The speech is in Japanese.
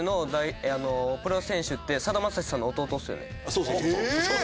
そうそうそうそう。